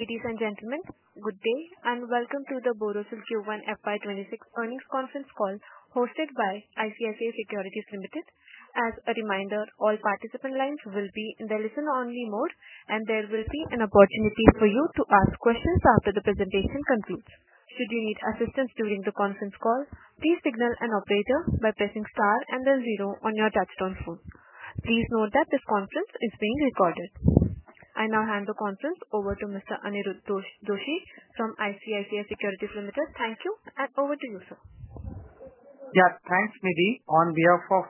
Ladies and gentlemen, good day and welcome to the Borosil Q1 FY 2026 earnings conference call hosted by ICICI Securities. As a reminder, all participant lines will be in the listen-only mode, and there will be an opportunity for you to ask questions after the presentation completes. Should you need assistance during the conference call, please signal an operator by pressing star and then zero on your touchtone phone. Please note that this conference is being recorded. I now hand the conference over to Mr. Aniruddha Joshi from ICICI Securities. Thank you and over to you, sir. Yeah, thanks, Nidhi. On behalf of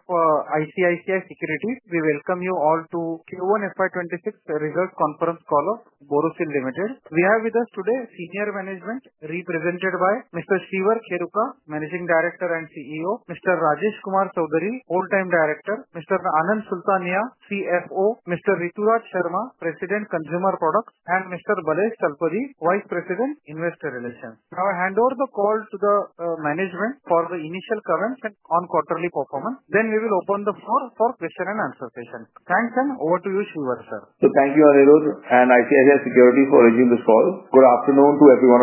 ICICI Securities, we welcome you all to Q1 FY 2026 results conference call. We have with us today senior management represented by Mr. Shreevar Kheruka. Managing Director and CEO, Rajesh Kumar Chaudhary,, Whole-Time Director, and Mr. Rajesh Sultania, CFO, Mr. Rituraj Sharma, President, Consumer Product, and Balesh Talapady, Vice President, Investor Relations. Now I hand over the call to the management for the initial comments on quarterly performance. We will open the floor for question-and-answer session. Thanks and over to you, Shreevar. Thank you, Aniruddha, and ICICI Securities for arranging this call. Good afternoon to everyone.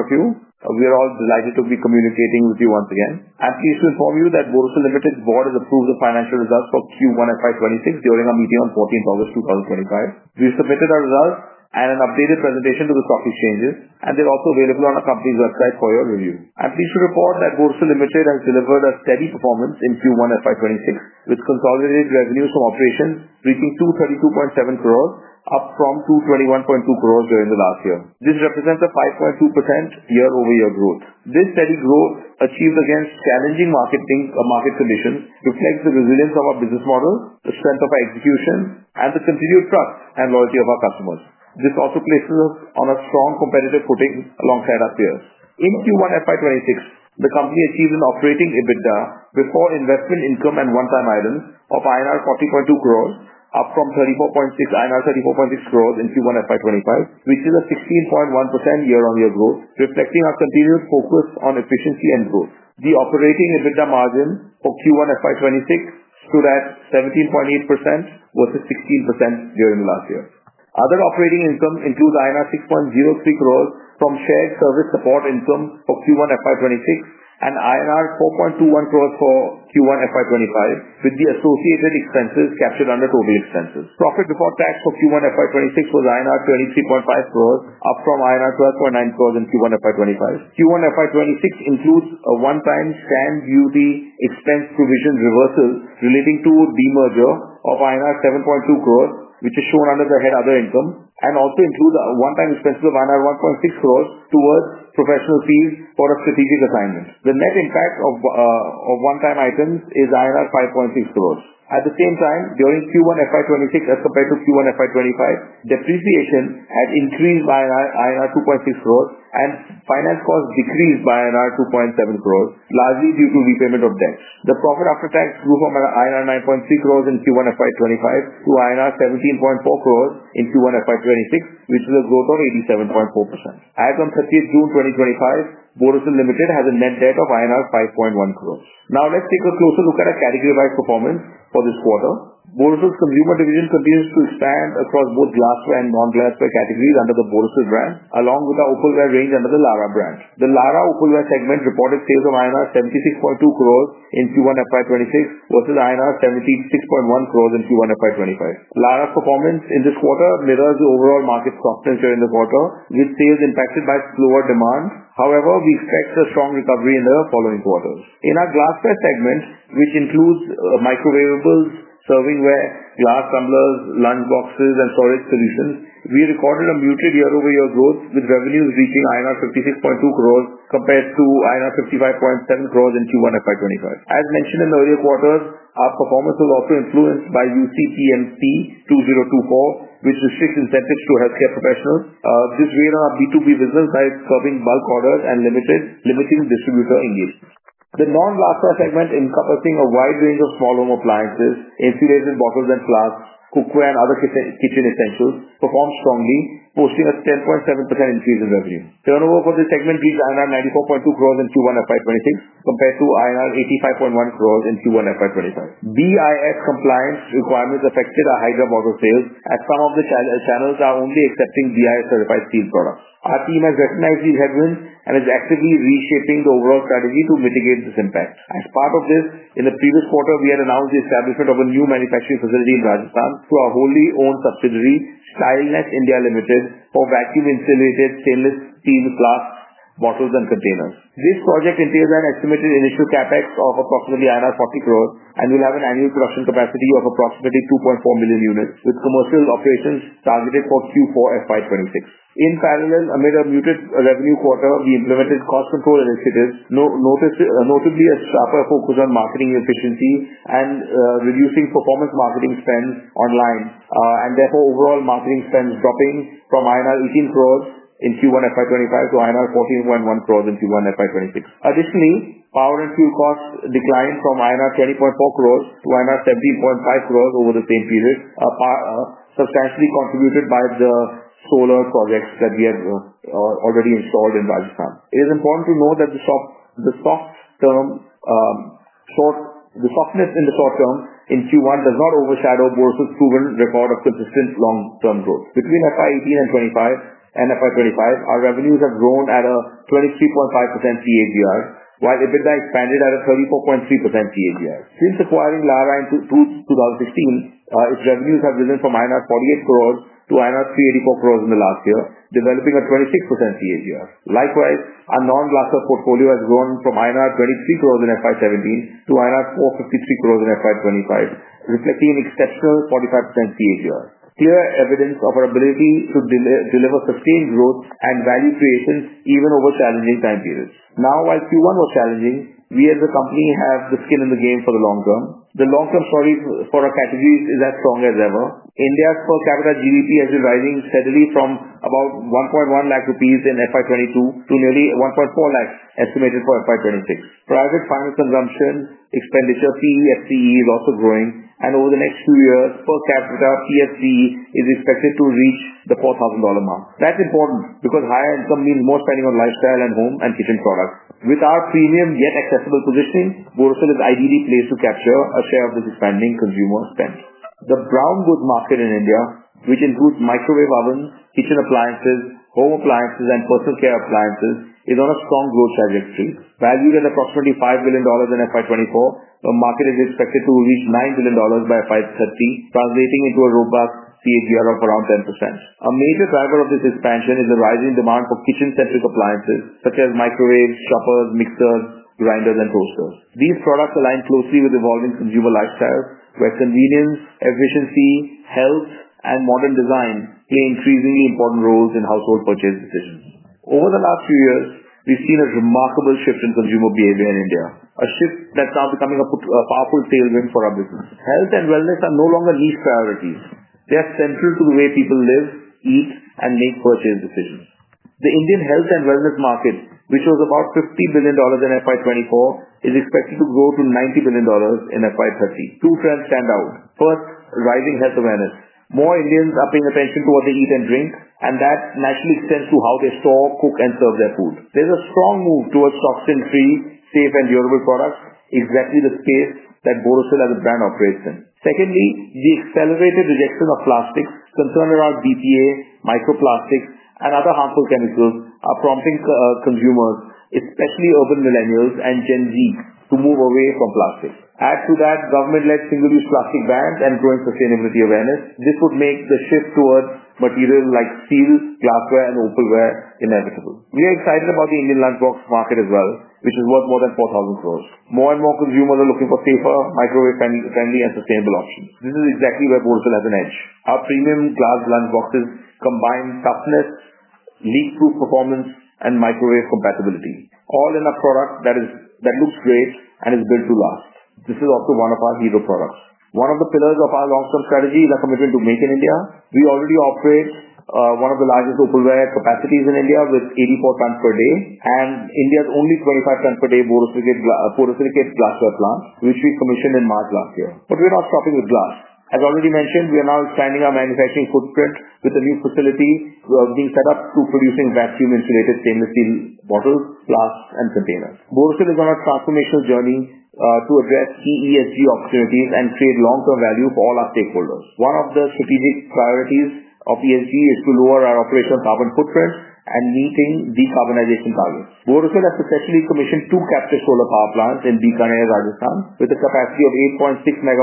We are delighted to be communicating with you once again. I am pleased to inform you that the Borosil Limited board has approved the financial results for Q1 FY 2026 during our meeting on August 14, 2025. We submitted our results and an updated presentation to the stock exchanges, and they’re also available on our company’s website for your review. I am pleased to report that Borosil Limited has delivered a steady performance in Q1 FY 2026, with consolidated revenues from operations reaching 232.7 crore, up from 221.2 crore during the last year. This represents a 5.2% year-over-year growth. This steady growth, achieved against challenging market conditions, reflects the resilience of our business model, the strength of our execution, and the continued trust and loyalty of our customers. This also places us on a strong competitive footing alongside our peers. In Q1 FY 2026, the company achieved an operating EBITDA before investment income and one-time items of INR 40.2 crore, up from 34.6 crore INR in Q1 FY2025, which is a 15.1% year-over-year growth, reflecting our continued focus on efficiency and growth. The operating EBITDA margin for Q1 FY 2026 stood at 17.8% versus 16% during the last year. Other operating income includes INR 6.03 crore from shared service support income for Q1 FY 2026 and INR 4.21 crore for Q1 FY 2025, with the associated expenses captured under total expenses. Profit reported for Q1 FY2026 was INR 23.5 crore, up from INR 12.9 crore in Q1 FY25. Q1 FY 2026 includes a one-time stamp duty expense provision reversal relating to the merger of INR 7.2 crore, which is shown under the head other income, and also includes a one-time expense of INR 1.6 crore towards professional fees for a strategic assignment. The net impact of one-time items is INR 5.6 crore. At the same time, during Q1 FY 2026, as compared to Q1 FY2025, depreciation had increased by INR 2.6 crore, and finance costs decreased by INR 2.7 crore, largely due to repayment of debt. The profit after tax grew from INR 9.3 crore in Q1 FY 2025 to INR 17.4 crore in Q1 FY 2026, which is a growth of 87.4%. As of June 30, 2025, Borosil Limited has a net debt of INR 5.1 crore. Now let’s take a closer look at our category-wide performance for this quarter. Borosil’s consumer division continues to expand across both glassware and non-glassware categories under the Borosil brand, along with our Opalware range under the Larah brand. The Larah Opalware segment reported sales of INR 76.2 crore in Q1 FY 2026 versus INR 76.1 crore in Q1 FY 2025. Larah’s performance in this quarter mirrors the overall market drop in demand, with sales impacted by slower demand. However, we expect a strong recovery in the following quarters. In our glassware segment, which includes microwavables, servingware, glass tumblers, lunch boxes, and storage solutions, we recorded muted year-over-year growth, with revenues reaching INR 56.2 crore compared to INR 55.7 crore in Q1 FY 2025. As mentioned in earlier quarters, our performance was also influenced by UCPMP 2024 which restricts incentives to healthcare professionals. This impacted our B2B business by curbing bulk orders and limiting distributor engagement. The non-glassware segment, encompassing a wide range of small home appliances, insulated bottles and glass, cookware, and other kitchen essentials, performed strongly, posting a 10.7% increase in revenue. Turnover for this segment reached INR 94.2 crore in Q1 FY 2026 compared to INR 85.1 crore in Q1 FY 2025. BIS compliance requirements affected our Hydra motor sales, as some of the channels are only accepting BIS certified steel products. Our team has recognized these headwinds and is actively reshaping the overall strategy to mitigate this impact. As part of this, in the previous quarter, we announced the establishment of a new manufacturing facility in Rajasthan through our wholly owned subsidiary, StyleNet India Ltd, for vacuum insulated stainless steel glass bottles and containers. This project involves an estimated initial CapEx of approximately 40 crore and will have an annual production capacity of approximately 2.4 million units, with commercial operations targeted for Q4 FY 2026. In parallel, amid a muted revenue quarter, we implemented cost control initiatives, notably a sharper focus on marketing efficiency and reducing performance marketing spend online, with overall marketing spend dropping from INR 18 crore in Q1 FY25 to INR 14.1 crore in Q1 FY 2026. Additionally, power and fuel costs declined from INR 20.4 crore to INR 17.5 crore over the same period, substantially contributed by the solar projects we have installed in Rajasthan. It is important to note that the softness in the short term in Q1 does not overshadow Borosil’s proven record of consistent long-term growth. Between FY 2018 and FY 2025, our revenues have grown at a 23.5% CAGR, while EBITDA expanded at a 34.3% CAGR. Since acquiring Larah in 2016, its revenues have risen from INR 48 crore to INR 384 crore in the last year, delivering a 26% CAGR. Likewise, our non-glassware portfolio has grown from INR 23 crore in FY 2017 to INR 453 crore in FY 2025, reflecting an exceptional 45% CAGR. This is clear evidence of our ability to deliver sustained growth and value creation even over challenging time periods. Now, while Q1 was challenging, we as a company have the skin in the game for the long term. The long-term story for our category is as strong as ever. India’s per capita GDP has been rising steadily from about 1.1 lakh rupees in FY 2022 to nearly 1.4 lakh estimated for FY 2026. Private final consumption expenditure, PFCE, is also growing, and over the next few years, per capita PFCE is expected to reach the $4000 mark. That’s important because higher income means more spending on lifestyle and home and kitchen products. With our premium yet accessible positioning, Borosil is in an ideal place to capture a share of this expanding consumer spend. The brown goods market in India, which includes microwave ovens, kitchen appliances, home appliances, and personal care appliances, is on a strong growth trajectory. Valued at approximately $5 billion in FY 2024, the market is expected to reach $9 billion by FY 2030, translating into a robust CAGR of around 10%. A major driver of this expansion is the rising demand for kitchen-centric appliances, such as microwaves, choppers, mixers, grinders, and toasters. These products align closely with evolving consumer lifestyles, where convenience, efficiency, health, and modern design play increasingly important roles in household purchases decisions. Over the last few years, we’ve seen a remarkable shift in consumer behavior in India, a shift that’s now becoming a powerful tailwind for our business. Health and wellness are no longer lesser priorities. They are central to the way people live, eat, and make purchase decisions. The Indian health and wellness market, valued at approximately $50 billion in FY 2024, is expected to grow to $90 billion in FY 2030. Two trends stand out. First, rising health awareness. More Indians are paying attention to what they eat and drink, and that naturally extends to how they store, cook, and serve their food. There’s a strong move toward toxin-free, safe, and durable products, exactly the space that Borosil operates in. Second, the accelerated rejection of plastics, driven by concerns around BPA, microplastics, and other harmful chemicals, is prompting consumers, especially urban millennials and Gen Z, to move away from plastics. Add to that government-led single-use plastic bans and growing sustainability awareness. This makes the shift toward materials like steel, glassware, and Opalware inevitable. We are excited about the Indian lunch box market, valued at more than 4000 crore. More and more consumers are looking for safer, microwave-friendly, and sustainable options. This is exactly where Borosil has an edge. Our premium glass lunch boxes combine toughness, leak-proof performance, and microwave compatibility, all in a product that looks great and is built to last. This is also one of our leading products. One of the pillars of our long-term strategy, the commitment to Make in India, is that we already operate one of the largest Opalware capacities in India with 84 tons per day and India’s only 25 tons per day borosilicate glassware plant, commissioned in March 2023. We’re not stopping with glass. As I mentioned, we are expanding our manufacturing footprint with a new facility being set up to produce vacuum-insulated stainless steel bottles, glass, and containers. Borosil is on a transformational journey to address key ESG opportunities and create long-term value for all our stakeholders. One of the strategic priorities of ESG is to lower our operational carbon footprint and meet decarbonization targets. Borosil has successfully commissioned two captive solar power plants in Deepranaya, Rajasthan, with a capacity of 8.6 MW commissioned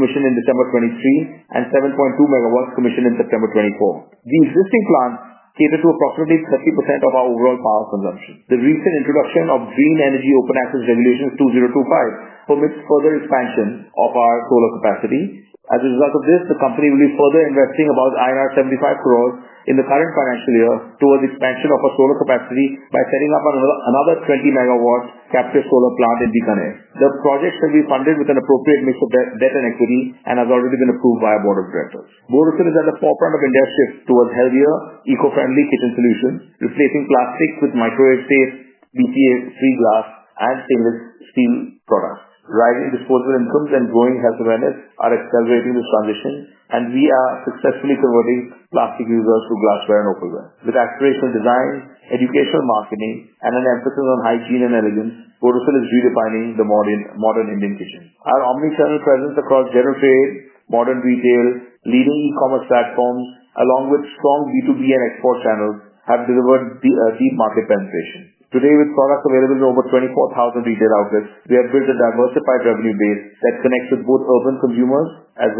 in December 2023 and 7.2 MW commissioned in September 2024. These solar plants cater to approximately 40% of our overall power consumption. The recent introduction of the Green Energy Open Access Regulation 2025 permits further expansion of our solar capacity. As a result of this, the company will be further investing about 75 crore in the current financial year toward expansion of our solar capacity by setting up another 20 MW captive solar plant in Deepranaya. The project will be funded with an appropriate mix of debt and equity and has been approved by our Board of Directors. Borosil is at the forefront of India’s shift toward healthier, eco-friendly kitchen solutions, replacing plastic with microwave-safe, BPA-free glass and stainless steel products. Rising disposable incomes and growing health awareness are accelerating this transition, and we are successfully converting plastic use to glassware and Opalware. With aspirational design, educational marketing, and an emphasis on hygiene and elegance, Borosil is redefining the modern Indian kitchen. Our omnichannel presence across general trade, modern retail, leading e-commerce platforms, along with strong B2B and export channels, has delivered deep market penetration. Today, with products available in over 24000 retail outlets, we have built a diversified revenue base that connects with both urban consumers and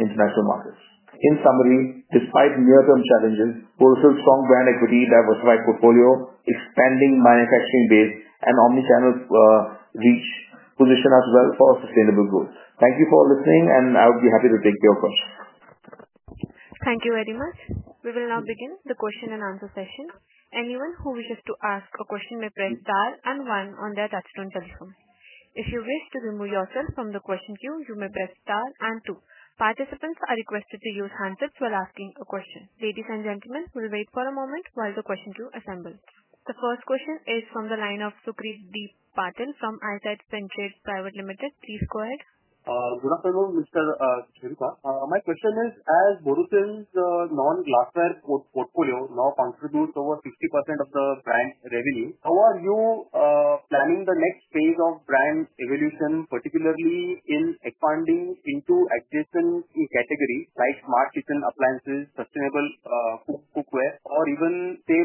international markets. In summary, despite near-term challenges, Borosil’s strong brand equity, diversified portfolio, expanding manufacturing base, and omnichannel reach position us well for sustainable goals. Thank you for listening, and I’ll be happy to take your questions. Thank you very much. We will now begin the question-and-answer session. Anyone who wishes to ask a question may press star and one on their touchtone telephone. If you wish to remove yourself from the question queue, you may press star and two. Participants are requested to use handsets while asking a question. Ladies and gentlemen, we’ll wait for a moment while the question queue assembles. The first question is from the line of Sucrit D. Patil from Eyesight Fintrade Private Limited. Please go ahead. Good afternoon, Shreevar. My question is, as Borosil’s non-glassware portfolio now contributes over 50% of brand revenue, how are you planning the next phase of brand evolution, particularly in expanding into existing categories like smart kitchen appliances, sustainable cookware, or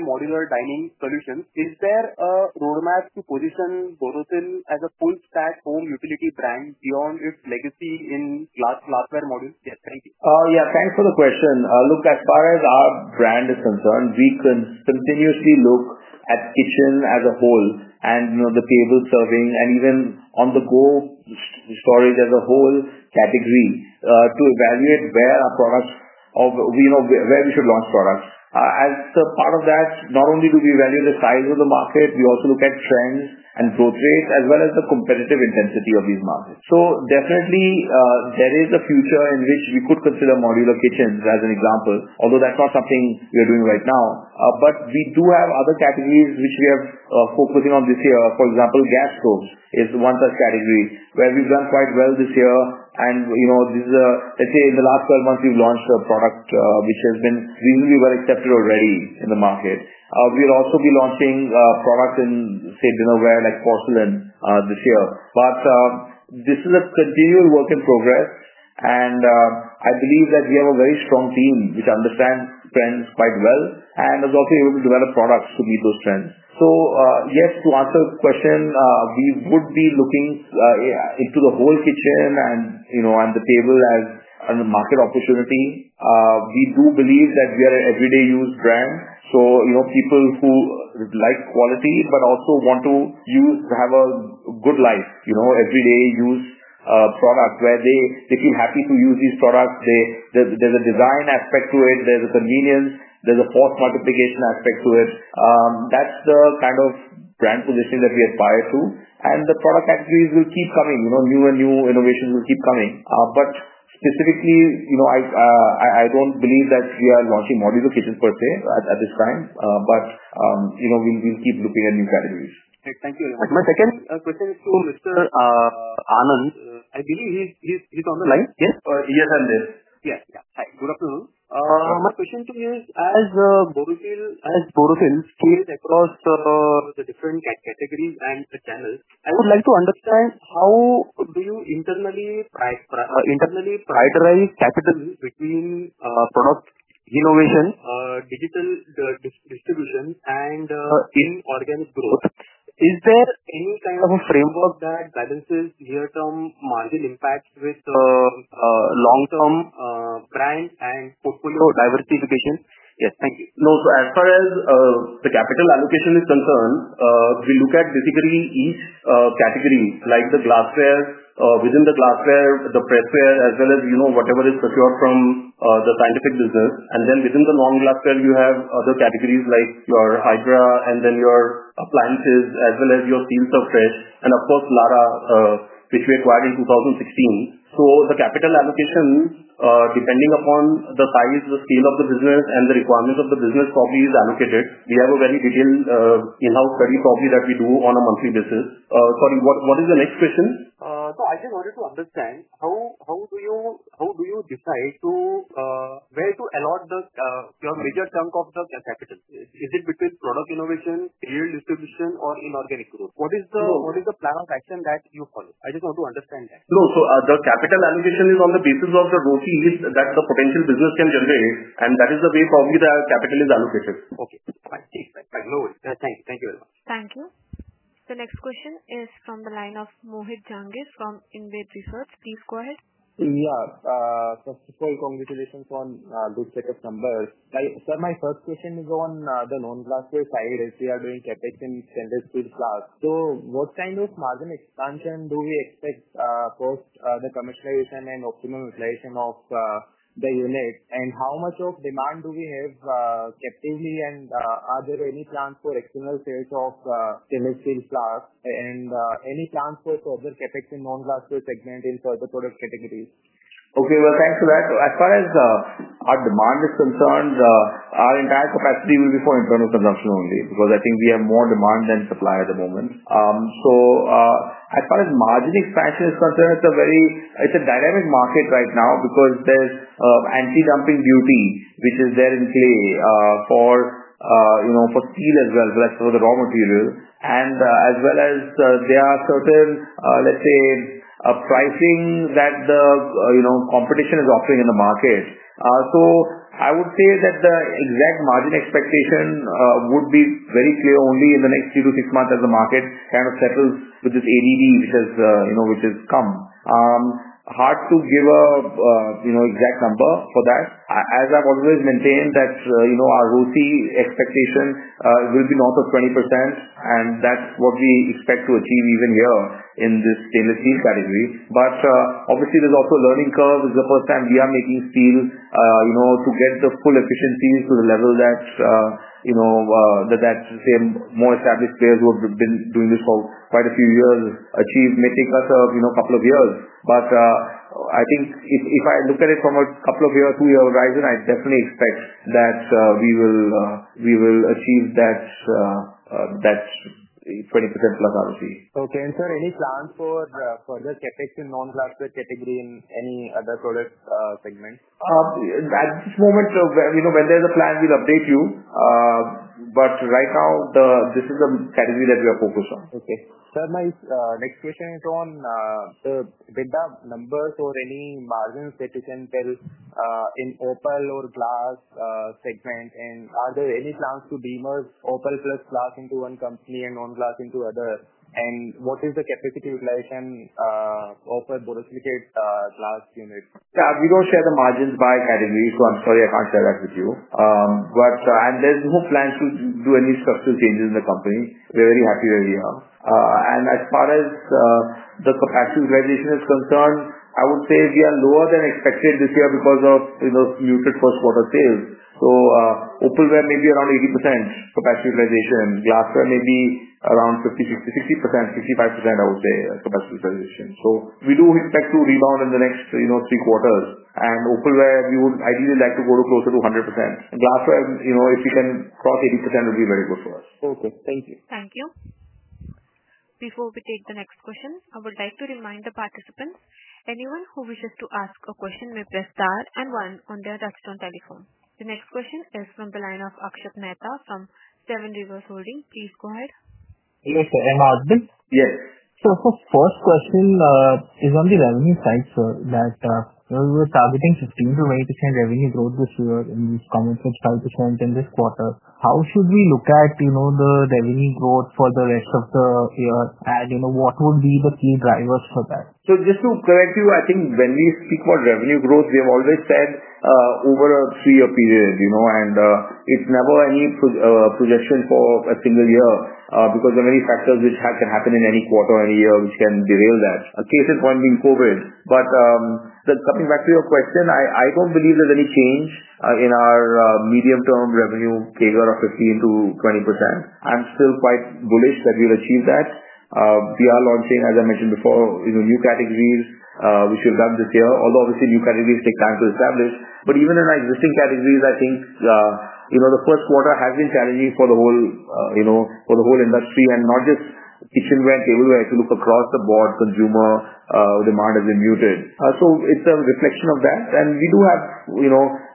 modular dining solutions? Is there a roadmap to position Borosil as a full-stack home utility brand beyond its legacy in glassware? Yeah, thanks for the question. As far as our brand is concerned, we continuously look at the kitchen, table serving, and on-the-go storage as a whole category to evaluate where our products are and where we should launch products. As part of that, we evaluate not only the size of the market but also trends and growth rates, as well as the competitive intensity of these markets. There is a future in which we could consider modular kitchens, although that’s not something we are doing right now. We do have other categories we are focusing on this year. For example, gas cooktops is one such category where we’ve done quite well this year. In the last 12 months, we’ve launched a product that has been reasonably well accepted in the market. We’ll also be launching a product in dinnerware, like premium porcelain, this year. This is a continual work in progress. I believe we have a very strong team that understands trends quite well and is able to develop products to meet those trends. To answer the question, we are looking at the whole kitchen and table as a market opportunity. We believe we are an everyday-use brand for people who value quality but also want a good life, using products they feel happy to use. There’s a design aspect to it, a convenience, and a force-multiplication aspect. That’s the kind of brand positioning we aspire to. The product categories will keep coming, with new innovations. Specifically, I don't believe that we are launching modular kitchens per se at this time. We'll keep looking at new categories. Thank you very much. My second question is for Mr. Anand Sultania. I believe he's on the line. Yes? Yes, I'm there. Yes. Hi. Good afternoon. My question to you is, as Borosil scales across the different categories and channels, I would like to understand how do you internally prioritize categories between product innovation, digital distribution, and team organic growth? Is there any kind of a framework that balances near-term margin impact with long-term brand and portfolio diversification? Yes, thank you. As far as the capital allocation is concerned, we look at basically each category, like the glassware, within the glassware, the pressware, as well as whatever is procured from the scientific business. Then within the non-glassware, you have other categories like your Hydra and then your appliances, as well as your steel stuffware and a part of Larah which we acquired in 2016. The capital allocation, depending upon the size, the scale of the business, and the requirements of the business, probably is allocated. We have a very detailed in-house study that we do on a monthly basis. Sorry, what is the next question? I just wanted to understand how do you decide where to allot your major chunk of the capital? Is it between product innovation, real distribution, or inorganic growth? What is the plan of action that you follow? I just want to understand that. No, the capital allocation is on the basis of the growth needs that the potential business can generate. That is the way probably the capital is allocated. Okay, thank you. Thank you. Thank you. The next question is from the line of Mohit Jhangis from InVed Research. Please go ahead. Yeah. First of all, congratulations on a good set of numbers. Sir, my first question is on the non-glassware side as you are doing CapEx in stainless steel glass. What kind of margin expansion do we expect post the commercialization and optimum utilization of the unit? How much of demand do we have captively? Are there any plans for external sales of stainless steel glass? Any plans for further CapEx in non-glassware segment in further product categories? Okay, thanks for that. As far as our demand is concerned, our entire capacity will be for internal consumption only because I think we have more demand than supply at the moment. As far as margin expansion is concerned, it's a very, it's a dynamic market right now because there's anti-dumping duty, which is there in play for, you know, for steel as well, for that sort of raw material. As well as there are certain, let's say, pricing that the, you know, competition is offering in the market. I would say that the exact margin expectation would be very clear only in the next three to six months as the market kind of settles with this ADD, which has, you know, which has come. Hard to give a, you know, exact number for that. As I've always maintained, that's, you know, our ROCE expectation will be north of 20%. That's what we expect to achieve even here in this stainless steel category. Obviously, there's also a learning curve. It's the first time we are making steel, you know, to get the full efficiency to the level that, you know, that that's the same more established players who have been doing this for quite a few years achieved within the last couple of years. I think if I look at it from a couple of years, two-year horizon, I definitely expect that we will, we will achieve that 20%+ Roce. Okay. Sir, any plans for further CapEx in non-glassware category in any other product segment? At this moment, sir, when there's a plan, we'll update you. Right now, this is the category that we are focused on. Okay. Sir, my next question is on the EBITDA numbers or any margins that you can tell in opal or glass segment. Are there any plans to demerge opal plus glass into one company and non-glass into other? What is the capacity utilization of opal borosilicate glass unit? We don't share the margins by category, so I'm sorry I can't share that with you. There's no plan to do any structural changes in the company. We're very happy where we are. As far as the capacity utilization is concerned, I would say we are lower than expected this year because of the first quarter sales. Opalware may be around 80% capacity utilization. Glassware may be around 50%, 60%, 65%, I would say, capacity utilization. We do expect to rebound in the next three quarters. Opalware, we would ideally like to go to closer to 100%. Glassware, if we can cross 80%, it would be very good for us. Okay, thank you. Thank you. Before we take the next question, I would like to remind the participants, anyone who wishes to ask a question may press star and one on their touchtone telephone. The next question is from the line of Akshit Mehta from Seven Rivers Holdings. Please go ahead. Yes, for MRSB? Yes. Her first question is on the revenue side that we're targeting 15%-20% revenue growth this year in this coming subsale to show in this quarter. How should we look at the revenue growth for the rest of the year? What would be the key drivers for that? Just to correct you, I think when we speak about revenue growth, we have always said over a three-year period, and it's never any projection for a single year because there are many factors which can happen in any quarter or any year which can derail that. A case in point being COVID. Coming back to your question, I don't believe there's any change in our medium-term revenue figure of 15%-20%. I'm still quite bullish that we'll achieve that. We are launching, as I mentioned before, new categories which we've done this year, although obviously new categories take time to establish. Even in our existing categories, I think the first quarter has been challenging for the whole industry and not just kitchenware and tableware. If you look across the board, consumer demand has been muted. It's a reflection of that. We do have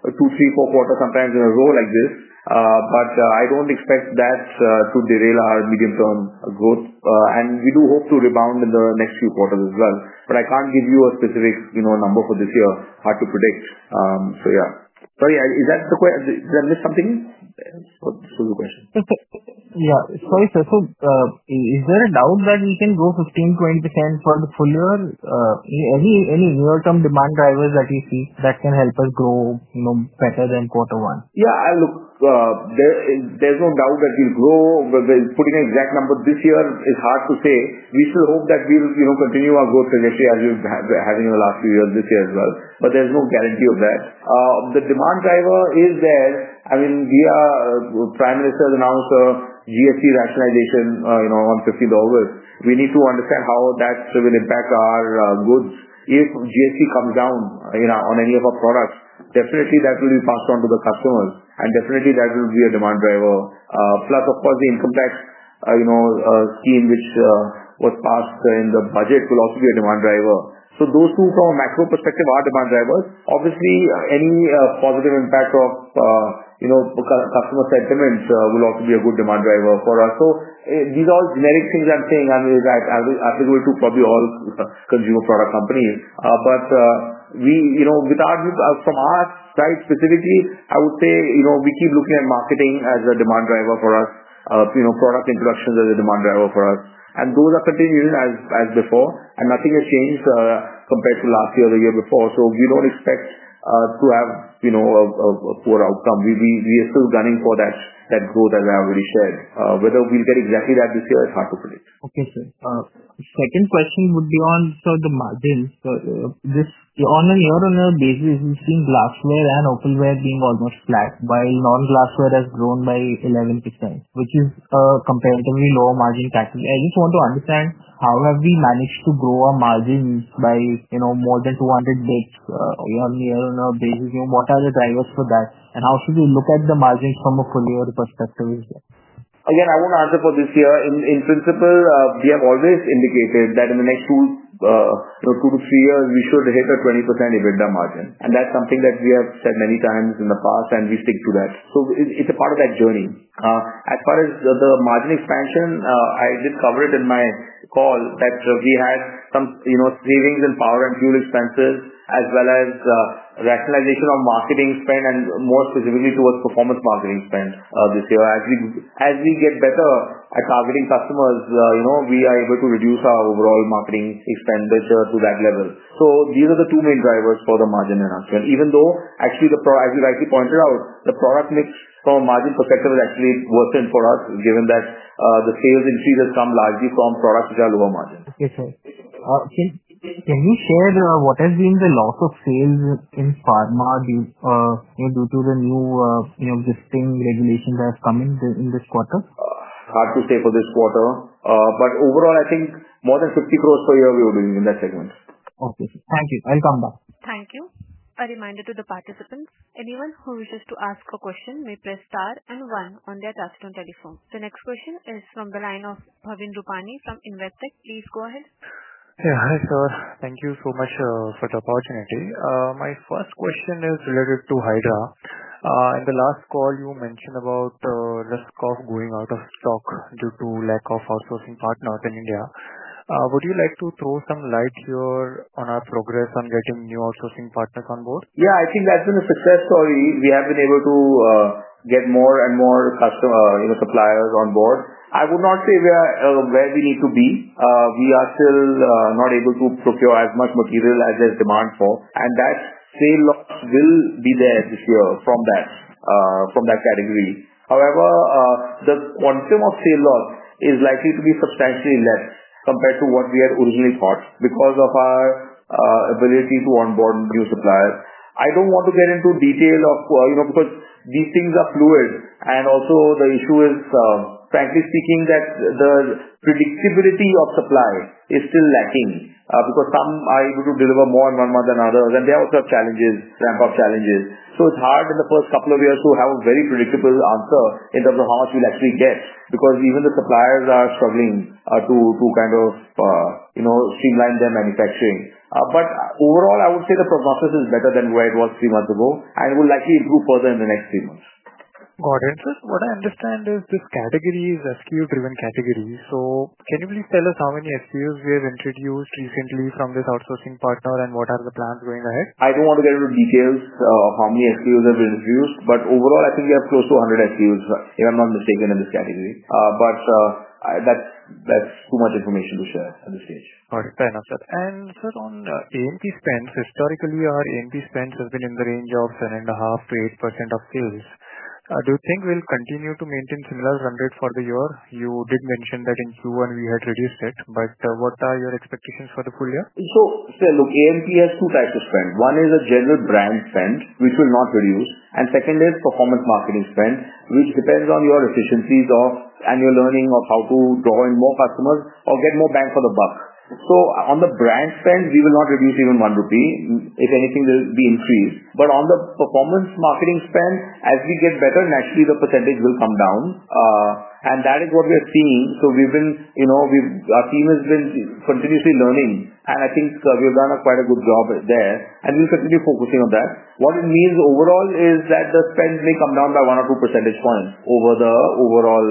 two, three, four quarter compounds in a row like this. I don't expect that to derail our medium-term growth. We do hope to rebound in the next few quarters as well. I can't give you a specific number for this year. Hard to predict. Sorry, is that the question? Did I miss something? Sorry, sir. Is there a doubt that we can grow 15%-20% for the full year? Any near-term demand drivers that you see that can help us grow better than quarter one? Yeah, look, there's no doubt that we'll grow. Putting an exact number this year is hard to say. We still hope that we'll, you know, continue our growth trajectory as we've been having in the last few years this year as well. There's no guarantee of that. The demand driver is there. I mean, the prime minister has announced a GST rationalization, you know, on $15. We need to understand how that will impact our goods. If GST comes down, you know, on any of our products, definitely that will be passed on to the customers, and definitely that will be a demand driver. Plus, of course, the income tax, you know, scheme which was passed in the budget will also be a demand driver. Those two from a macro perspective are demand drivers. Obviously, any positive impact of, you know, customer sentiment will also be a good demand driver for us. These are all generic things I'm saying and they're applicable to probably all consumer product companies. With our view from our side specifically, I would say, you know, we keep looking at marketing as a demand driver for us. Product introductions are a demand driver for us, and those are continuing as before. Nothing has changed compared to last year or the year before. We don't expect to have, you know, a poor outcome. We are still gunning for that growth as I already shared. Whether we'll get exactly that this year, it's hard to predict. Okay, sir. The second question would be on, sir, the margins. On a year-on-year basis, we've seen glassware and Opalware being almost flat, while non-glassware has grown by 11%, which is a comparatively lower margin category. I just want to understand how have we managed to grow our margins by, you know, more than 200 basis points on a year-on-year basis? You know, what are the drivers for that? How should we look at the margins from a full-year perspective? Again, I won't answer for this year. In principle, we have always indicated that in the next two to three years, we should hit a 20% EBITDA margin. That's something that we have said many times in the past, and we stick to that. It's a part of that journey. As far as the margin expansion, I did cover it in my call that we had some savings in power and fuel expenses, as well as a rationalization of marketing spend and more specifically towards performance marketing spend this year. As we get better at targeting customers, we are able to reduce our overall marketing expenditure to that level. These are the two main drivers for the margin in our care. Even though, actually, as you rightly pointed out, the product mix from a margin perspective is actually worth it for us, given that the sales increases come largely from products which are lower margin. Okay, sir. Can you share what has been the loss of sales in pharma due to the new existing regulations that have come in in this quarter? Hard to say for this quarter. Overall, I think more than 50 crore per year we were doing in that segment. Okay, thank you. I'll come back. Thank you. A reminder to the participants, anyone who wishes to ask a question may press star and one on their touchtone telephone. The next question is from the line of Bhavin Rupani from InvateTech. Please go ahead. Yeah. Hi, sir. Thank you so much for the opportunity. My first question is related to Hydra. In the last call, you mentioned about Restcoff going out of stock due to lack of outsourcing partners in India. Would you like to throw some light here on our progress on getting new outsourcing partners on board? Yeah, I think that's been a success story. We have been able to get more and more customer, you know, suppliers on board. I would not say we are where we need to be. We are still not able to procure as much material as there's demand for. That sale loss will be there this year from that category. However, the quantum of sale loss is likely to be substantially less compared to what we had originally thought because of our ability to onboard new suppliers. I don't want to get into detail of, you know, because these things are fluid. The issue is, frankly speaking, that the predictability of supply is still lacking because some are able to deliver more in one month than others. They also have ramp-up challenges. It's hard in the first couple of years to have a very predictable answer in terms of how much we'll actually get because even the suppliers are struggling to kind of, you know, streamline their manufacturing. Overall, I would say the process is better than where it was three months ago and will likely improve further in the next three months. Got it. Sir, what I understand is this category is SKU-driven category. Can you please tell us how many SKUs you have introduced recently from this outsourcing partner, and what are the plans going ahead? I don't want to get into details of how many SKUs I've introduced, but overall, I think we have close to 100 SKUs, if I'm not mistaken, in this category. That's too much information to share at this stage. Got it. Fair enough, sir. On EMT spend, historically, our EMT spend has been in the range of 7.5%-8% of sales. Do you think we'll continue to maintain similar run rate for the year? You did mention that in Q1 we had reduced it, but what are your expectations for the full year? Look, EMT has two types of spend. One is a general brand spend, which will not reduce. The second is performance marketing spend, which depends on your efficiencies or your learning of how to draw in more customers or get more bang for the buck. On the brand spend, we will not reduce even one rupee. If anything, there will be an increase. On the performance marketing spend, as we get better, naturally, the percentage will come down. That is what we are seeing. Our team has been continuously learning. I think we've done quite a good job there, and we're certainly focusing on that. What it means overall is that the trends may come down by one or two percentage points over the overall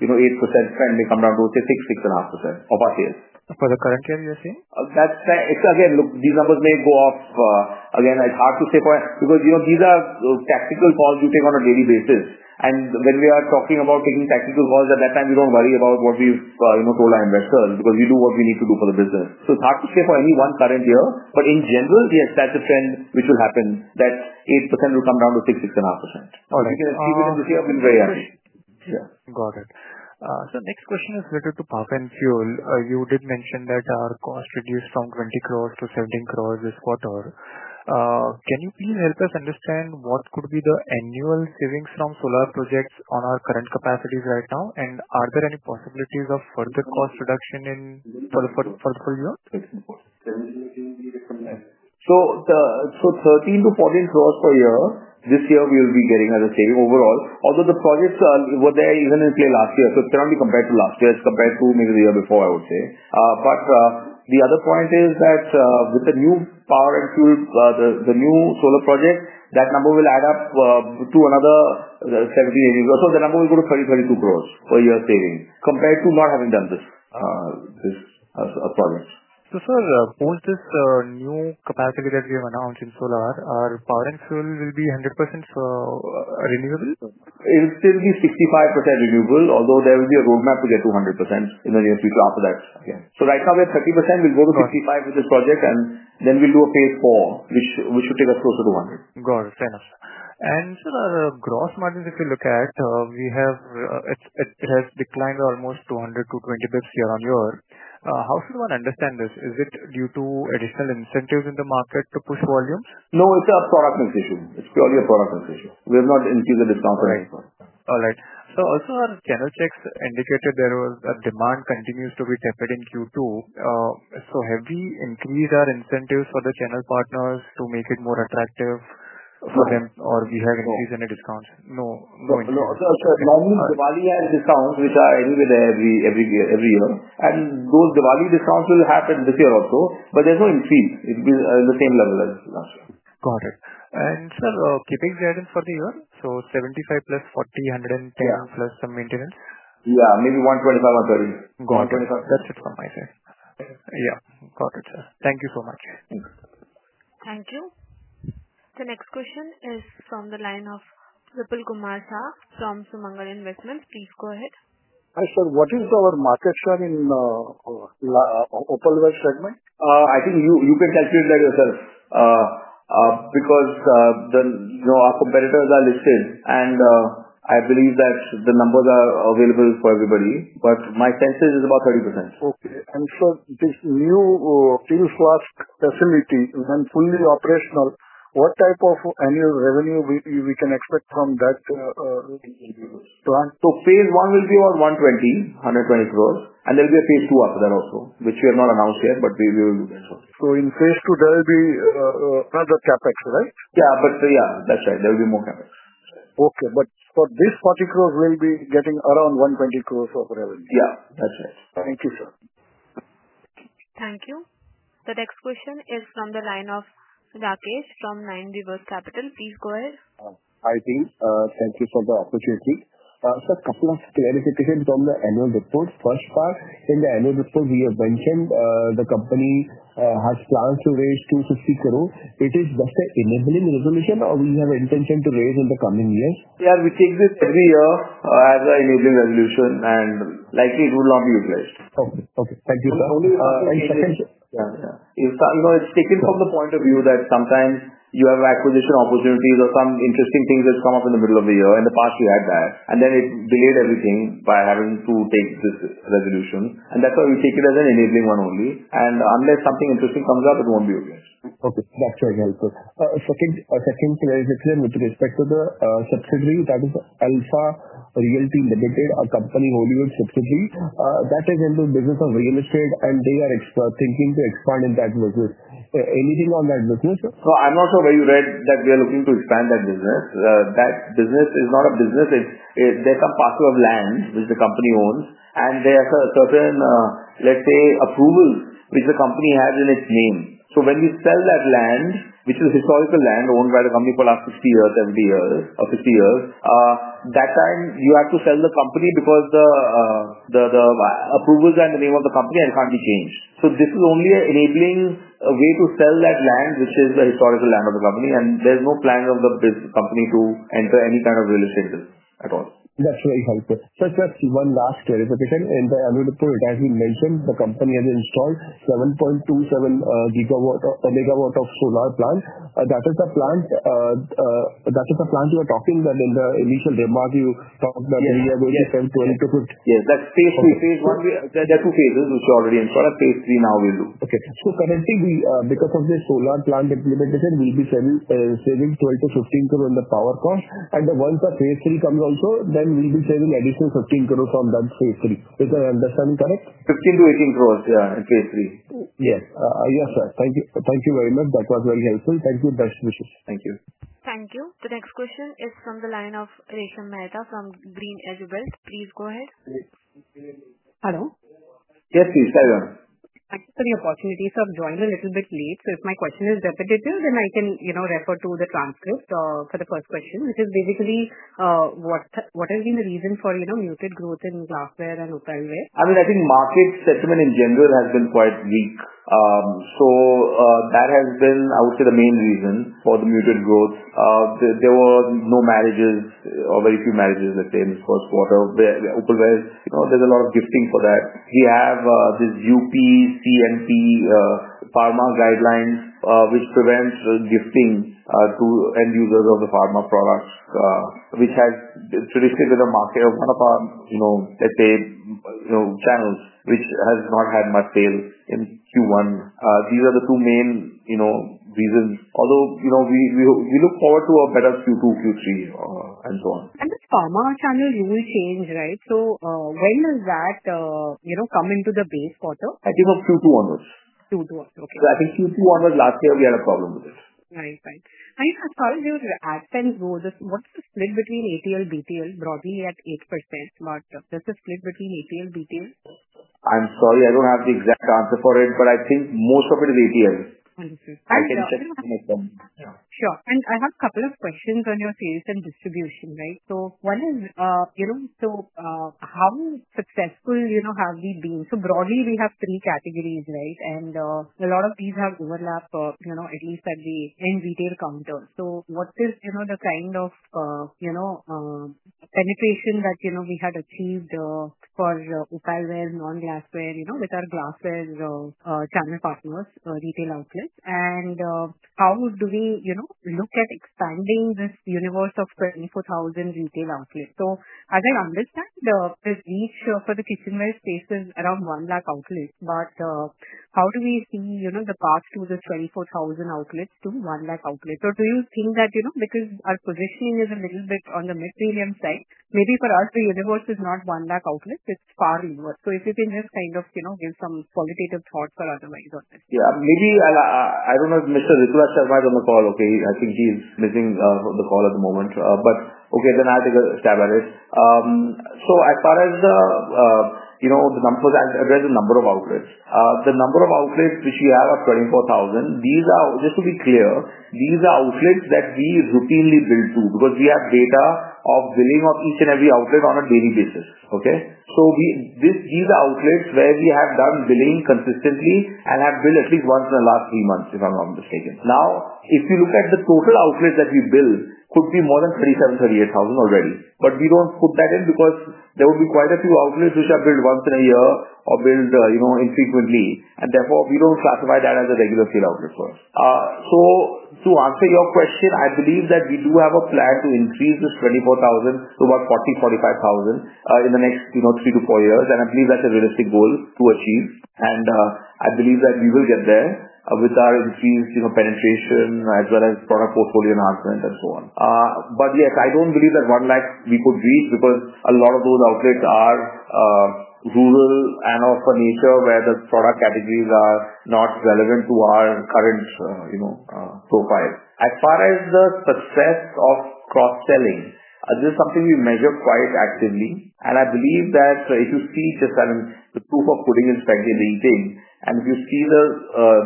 8% trend, which may come down to, let's say, 6% or 6.5% of our sales. For the current year, you're saying? Look, these numbers may go off. It's hard to say for it because these are tactical calls we take on a daily basis. When we are talking about taking tactical calls, at that time, we don't worry about what we've told our investors because we do what we need to do for the business. It's hard to say for any one current year. In general, yes, that's a trend which will happen, that 8% will come down to 6%-6.5%. We will be very happy. Yeah. Got it. Sir, next question is related to power and fuel. You did mention that our cost reduced from 20 crore-17 crore this quarter. Can you please help us understand what could be the annual savings from solar projects on our current capacities right now? Are there any possibilities of further cost reduction for the full year? 13 to 14 crore per year, this year we'll be getting as a saving overall, although the projects were there even in play last year. Currently, compared to last year, as compared to maybe the year before, I would say. The other point is that with the new power and fuel, the new solar project, that number will add up to another 17 crore annual. The number will go to 30 crore-32 crore per year saving compared to not having done this as a project. Sir, post this new capacity that we have announced in solar, our power and fuel will be 100% renewable? It will still be 65% renewable, although there will be a roadmap to get to 100% in the near future after that. Right now, we're at 30%. We'll go to 65% with this project, and then we'll do a phase four, which should take us closer to 100%. Got it. Fair enough. Sir, our gross margins, if you look at, have declined almost 200-220 basis points year-on-year. How should one understand this? Is it due to additional incentives in the market to push volume? No, it's a product-mix issue. It's purely a product-mix issue. We have not increased the discount for any product. All right. Our channel checks indicated there was a demand continues to be tepid in Q2. Have we increased our incentives for the channel partners to make it more attractive for them, or we haven't increased any discounts? No. No increase. As long as Diwali has discounts, which are aimed with every year, those Diwali discounts will happen this year also, but there's no increase. It will be at the same level as last year. Got it. Sir, CapEx guidance for the year, so 75 crore plus 40 crore, 110 crore+ some maintenance? Yeah, maybe 125 crores-130 crores once a week. Got it. That's it from my side. Got it, sir. Thank you so much. Thank you. The next question is from the line of Vipul Kumar Shah from Sumangal Investments. Please go ahead. Hi, sir. What is our market trend in the Opalware segment? I think you can calculate that yourself because our competitors are listed. I believe that the numbers are available for everybody. My sense is it's about 30%. Okay. Sir, this new Teal Flask facility, when fully operational, what type of annual revenue can we expect from that? Phase one will be around 120 crore. There will be a phase II after that also, which we have not announced yet, but we will do that. In phase II, there will be another CapEx, right? Yeah, that's right. There will be more CapEx. For this particular, we'll be getting around 120 crore of revenue. Yeah, that's right. Thank you, sir. Thank you. The next question is from the line of Rakesh from Nine Rivers Capital. Please go ahead. Thank you for the opportunity. Sir, a couple of clarifications from the annual reports. First, in the annual report, we have mentioned the company has plans to raise 260 crore. Is it just an enabling resolution, or do we have an intention to raise in the coming year? Yeah, we take this every year as an enabling resolution, and likely it will not be replaced. Okay. Okay. Thank you, sir. Yeah, it's taken from the point of view that sometimes you have acquisition opportunities or some interesting things that come up in the middle of the year. In the past, we had that, and it delayed everything by having to take this resolution. That's why we take it as an enabling one only. Unless something interesting comes up, it won't be replaced. Okay. I'll check. Second, a clarification with respect to the subsidiary. That is Acalypha Realty Limited, a company holding subsidiary. That's a general business of real estate, and they are thinking to expand in that business. Anything on that business? I'm not sure where you read that we are looking to expand that business. That business is not a business. They're compatible with land, which the company owns, and there are certain, let's say, approvals, which the company has in its name. When we sell that land, which is historical land owned by the company for the last 50 years, 70 years, or 50 years, at that time you have to sell the company because the approvals and the name of the company can't be changed. This is only an enabling way to sell that land, which is the historical land of the company. There's no plan of the company to enter any kind of real estate at all. That's very helpful. Just one last clarification. In the annual report, as you mentioned, the company has installed 7.27 MW of solar plants. That is the plant you are talking about in the initial remark you talked about where you are going to spend INR 1.2 million-INR 1.5 million? Yes, that's phase I. There are two phases we already encountered. Phase III, now we'll do. Okay. Currently, because of this solar plant implementation, we'll be saving 15 crores-20 crores in the power cost. Once the phase III comes also, we'll be saving an additional 15 crores from that phase III. Is my understanding correct? 15 crore-18 crores at phase III. Yes. Yes, sir. Thank you. Thank you very much. That was very helpful. Thank you. Best wishes. Thank you. The next question is from the line of Resha Mehta from GreenEdge Wealth. Please go ahead. Hello? Yes, please. Thank you, your honor. Thank you for the opportunity. I have joined a little bit late. If my question is repetitive, then I can refer to the transcript. For the first question, which is basically, what has been the reason for muted growth in glassware and Opalware? I mean, I think market sentiment in general has been quite weak. That has been, I would say, the main reason for the muted growth. There were no marriages or very few marriages, let's say, in this first quarter. Opalware, you know, there's a lot of gifting for that. We have this UCPMP, pharma guidelines, which prevents gifting to end users of the pharma products, which has predicted with the market of one of our, you know, let's say, you know, channels, which has not had much sale in Q1. These are the two main, you know, reasons. Although, you know, we look forward to a better Q2, Q3, and so on. Does this pharma channel rule change come into the base quarter? I think of Q2 onwards last years we had a problem with it. Right, right. Sir, as far as your assets go, what's the split between ATL, BTL? Broadly, it's 8%, but there's a split between ATL, BTL. I'm sorry, I don't have the exact answer for it, but I think most of it is ATL. Sure. I have a couple of questions on your sales and distribution, right? One is, you know, how successful have we been? Broadly, we have three categories, right? A lot of these have overlapped, at least at the end retail counter. What is the kind of penetration that we had achieved for Opalware, non-glassware, with our glassware channel partners, retail outlets? How do we look at expanding this universe of 24,000 retail outlets? As I understand, the reach for the kitchenware space is around 1 lakh outlets. How do we see the path to the 24,000 outlets to 1 lakh outlets? Do you think that, because our positioning is a little bit on the mid-million side, maybe perhaps the universe is not 1 lakh outlets, it's far inward? If you can just give some qualitative thought or otherwise on this. Yeah, maybe I don't know if Mr. Rituraj Sharma is on the call. I think he's missing the call at the moment. I'll take a stab at it. As far as the numbers, as there's a number of outlets, the number of outlets which we have are 24,000. These are, just to be clear, these are outlets that we routinely bill to because we have data of billing of each and every outlet on a daily basis. These are outlets where we have done billing consistently and have billed at least once in the last three months, if I'm not mistaken. If you look at the total outlets that we bill, it could be more than 37,000 or 38,000 already. We don't put that in because there would be quite a few outlets which are billed once in a year or billed infrequently, and therefore, we don't classify that as a regular sale outlet for us. To answer your question, I believe that we do have a plan to increase the 24,000 to about 40,000-45,000 in the next three to four years. I believe that's a realistic goal to achieve. I believe that we will get there with our increased penetration, as well as product portfolio enhancement and so on. I don't believe that 1 lakh we could reach because a lot of those outlets are rural and of a nature where the product categories are not relevant to our current profile. As far as the success of cross-selling, this is something we measure quite actively. I believe that, if you see just the proof of pudding and spaghetti thing, and if you see the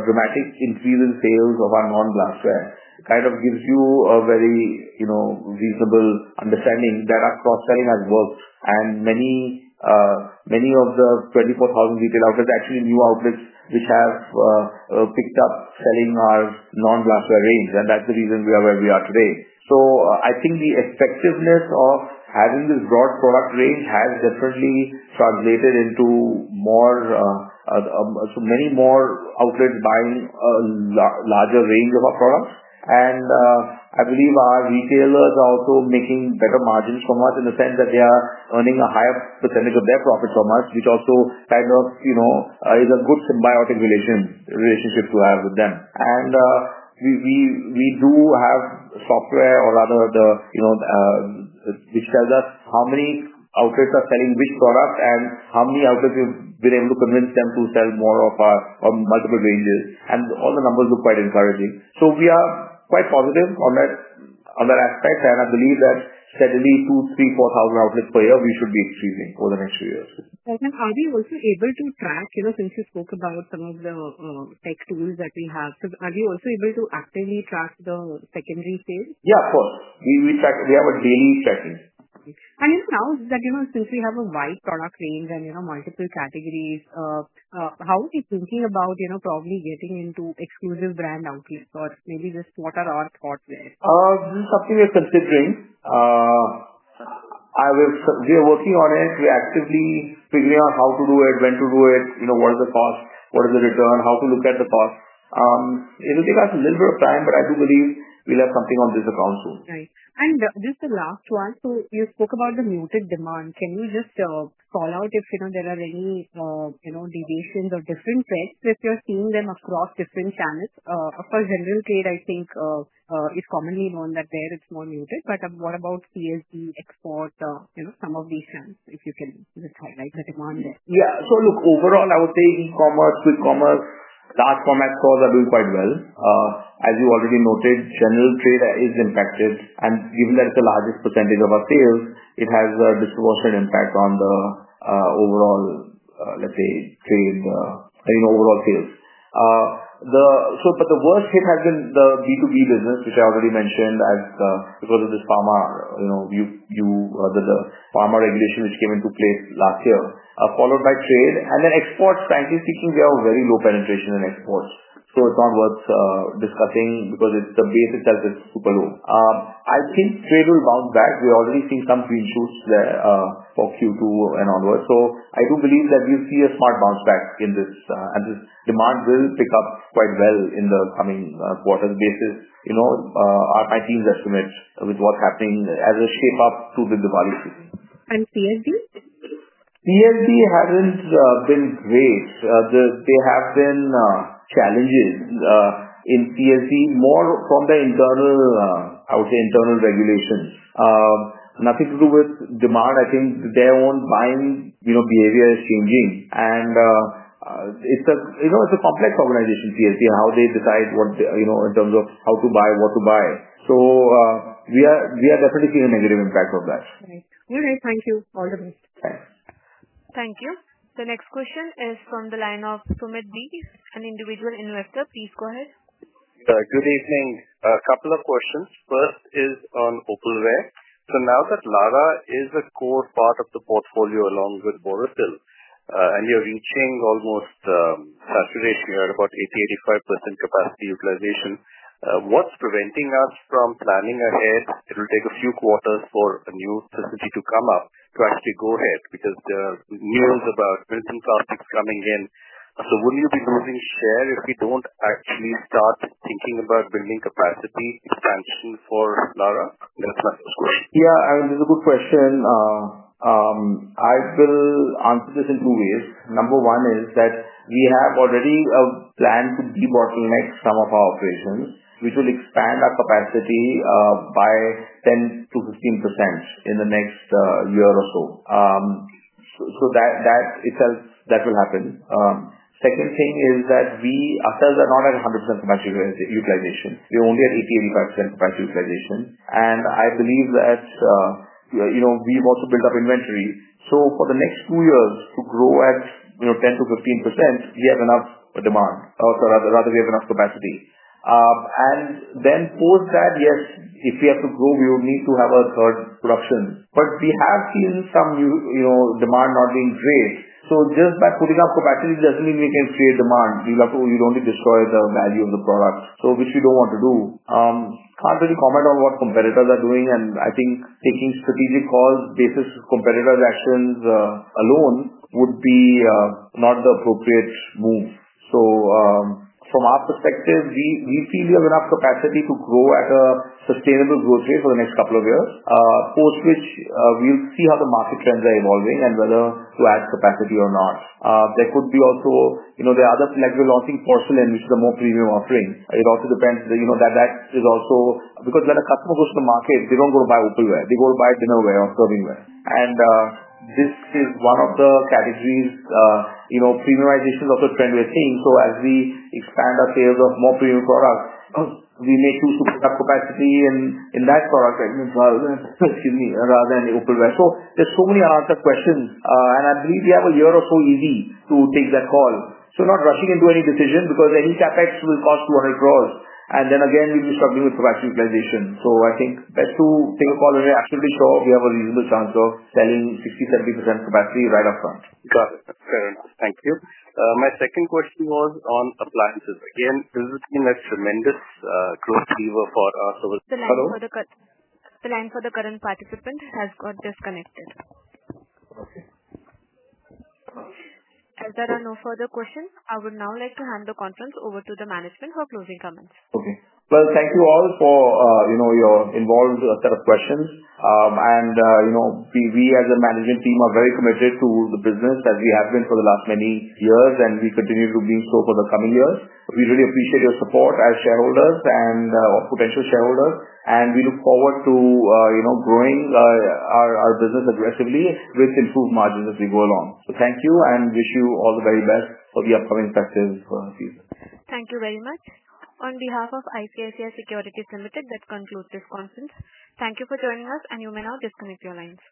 dramatic increase in sales of our non-glassware, kind of gives you a very reasonable understanding that our cross-selling has worked. Many of the 24,000 retail outlets are actually new outlets which have picked up selling our non-glassware range, and that's the reason we are where we are today. I think the effectiveness of having this broad product range has definitely translated into so many more outlets buying a larger range of our products. I believe our retailers are also making better margins from us in the sense that they are earning a higher percentage of their profit from us, which also is a good symbiotic relationship to have with them. We do have software which tells us how many outlets are selling which product and how many outlets we've been able to convince to sell more of our multiple ranges. All the numbers look quite encouraging. We are quite positive on that aspect. I believe that steadily 2,000, 3,000, 4,000 outlets per year we should be exceeding over the next few years. Sir, are we also able to track, you know, since you spoke about some of the tech tools that we have, are you also able to actively track the secondary sales? Yeah, of course. We track. We have a daily tracking. Now that, since we have a wide product range and multiple categories, how are you thinking about probably getting into exclusive brand outlets or maybe just what are our thoughts there? This is something we're considering. We are working on it. We're actively figuring out how to do it, when to do it, what is the cost, what is the return, how to look at the cost. It'll take us a little bit of time, but I do believe we'll have something on this account soon. Right. Just the last one. You spoke about the muted demand. Can you call out if there are any deviations or different trends? If you're seeing them across different channels, for general trade, I think it's commonly known that there it's more muted. What about CSD, export, some of these channels if you can just highlight the demand there? Yeah. So look, overall, I would say e-commerce, quick commerce, large format stores are doing quite well. As you already noted, general trade is impacted, and given that it's the largest percentage of our sales, it has a disproportionate impact on the overall, let's say, trade, you know, overall sales. The worst hit has been the B2B business, which I already mentioned, because of this pharma regulation which came into place last year, followed by trade. Exports, frankly speaking, we have a very low penetration in exports, so it's not worth discussing because it's a basic test that's super low. I think trade will bounce back. We already see some reinforce there for Q2 and onwards. I do believe that we'll see a smart bounce back in this, and this demand will pick up quite well in the coming quarter basis. You know, my team's estimate with what's happening as we shape up through the demand increase. And CSB? CSB hasn't been great. There have been challenges in CSB, more from the internal, I would say, internal regulations. Nothing to do with demand. I think their own buying behavior is changing. It's a complex organization, CSB, and how they decide what, in terms of how to buy, what to buy. We are definitely seeing a negative impact from that. Right. All right. Thank you. All the best. Thanks. Thank you. The next question is from the line of Sumit B, an individual investor. Please go ahead. Good evening. A couple of questions. First is on Opalware. Now that Larah is a core part of the portfolio along with Borosil, and you're reaching almost, I think it's about 80%-85% capacity utilization, what's preventing us from planning ahead? It'll take a few quarters for a new facility to come up to actually go ahead because there are news about Milton Plastics coming in. Will you be losing share if we don't actually start thinking about building capacity essentially for Larah? Yeah, I mean, this is a good question. I will answer this in two ways. Number one is that we already have a plan to de-bottleneck some of our operations, which will expand our capacity by 10%-15% in the next year or so. That itself will happen. Second thing is that we ourselves are not at 100% capacity utilization. We're only at 80%-85% capacity utilization. I believe that we want to build up inventory. For the next two years, to grow at 10%-15%, we have enough demand, or rather, we have enough capacity. Then post that, yes, if we have to grow, we will need to have a third production. We have seen some new demand not being great. Just by putting up capacity, it doesn't mean we can create demand. You don't need to destroy the value of the product, which we don't want to do. I can't really comment on what competitors are doing. I think taking strategic calls based on competitors' actions alone would not be the appropriate move. From our perspective, we feel we have enough capacity to grow at a sustainable growth rate for the next couple of years. We'll see how the market trends are evolving and whether to add capacity or not. There could be also, you know, there are other next-gen launching porcelain, which is a more premium offering. It also depends, you know, that is also because when a customer goes to the market, they don't go to buy Opalware. They go to buy dinnerware or servingware. This is one of the categories. Premiumization is also a trend we're seeing. As we expand our sales of more premium products, we may choose to put up capacity in that product, right? I mean, rather than the Opalware. There are so many other questions. I believe we have a year or so even to take that call. We're not rushing into any decision because any CapEx will cost 200 crores. Then again, we'll be struggling with capacity utilization. I think that to take a call and actively show up, we have a reasonable chance of selling 60%-70% capacity right up front. Got it. Thank you. My second question was on appliances. Again, this is a team that's tremendous tools deliver for our service. The line for the current participant has got disconnected. As there are no further questions, I would now like to hand the conference over to the management for closing comments. Thank you all for your involved set of questions. We as a management team are very committed to the business as we have been for the last many years, and we continue to be so for the coming years. We really appreciate your support as shareholders and potential shareholders. We look forward to growing our business aggressively with improved margins as we go along. Thank you and wish you all the very best for the upcoming tax season. Thank you very much. On behalf of ICICI Securities, that concludes this conference. Thank you for joining us, and you may now disconnect your lines.